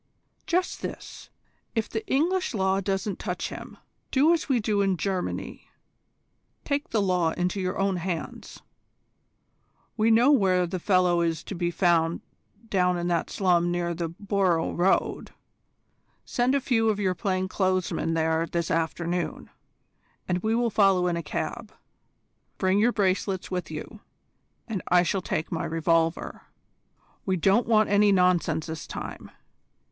"Just this: if the English law won't touch him, do as we do in Germany, take the law into your own hands. We know where the fellow is to be found down in that slum near the Borough Road. Send a few of your plain clothes men there this afternoon, and we will follow in a cab. Bring your bracelets with you, and I shall take my revolver. We don't want any nonsense this time.